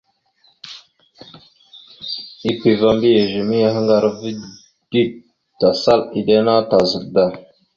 Epeva mbiyez a mayahaŋgar ava dik, tasal iɗe ana tazaɗ da.